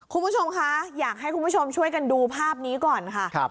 คุณผู้ชมคะอยากให้คุณผู้ชมช่วยกันดูภาพนี้ก่อนค่ะ